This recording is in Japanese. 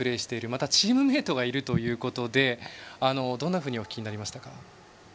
またチームメートがいるということでどんなふうにお聞きになりましたか。